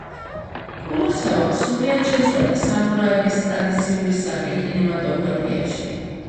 კუროსავამ სრულიად შეცვალა სამურაების ტრადიციული სახე კინემატოგრაფიაში.